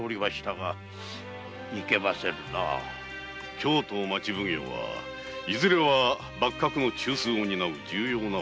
京都町奉行はいずれは幕閣の中枢を担う重要なお役目。